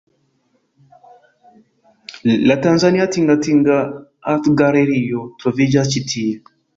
La tanzania Tingatinga Artgalerio troviĝas ĉi tie.